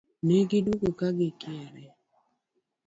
Ne gi duogo ka gikiare